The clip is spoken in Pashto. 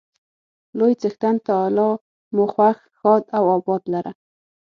لوی څښتن تعالی مو خوښ، ښاد او اباد لره.